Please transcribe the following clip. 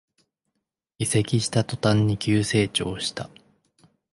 移籍した途端に急成長した